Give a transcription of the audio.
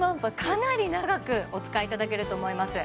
かなり長くお使いいただけると思います